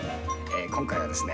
今回はですね